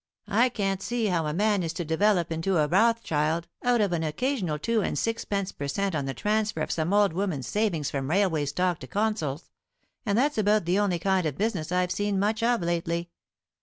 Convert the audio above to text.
I can't see how a man is to develop into a Rothschild out of an occasional two and sixpence per cent on the transfer of some old woman's savings from railway stock to consols; and that's about the only kind of business I've seen much of lately.